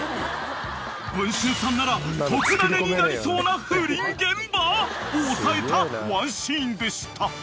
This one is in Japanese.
［『文春』さんなら特ダネになりそうな不倫現場！？を押さえたワンシーンでした］